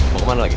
mau kemana lagi